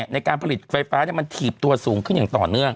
ในการผลิตไฟฟ้ามันถีบตัวสูงขึ้นอย่างต่อเนื่อง